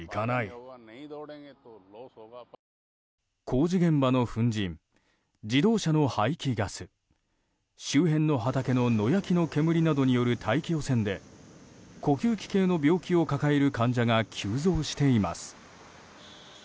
工事現場の粉じん自動車の排気ガス周辺の畑の野焼きの煙などによる大気汚染で呼吸器系の病気を抱える患者が急増しています。